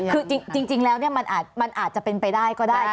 คือจริงแล้วมันอาจจะเป็นไปได้ก็ได้